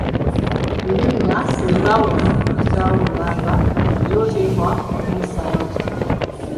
Erinnya Ssengawo kumpi kitaawo mulamba, era oteekwa okumussaamu ekitiibwa.